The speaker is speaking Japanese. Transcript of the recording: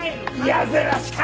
やぜらしか！